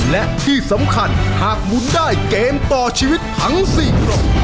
และที่สำคัญหากหมุนได้เกมต่อชีวิตทั้ง๔กล่อง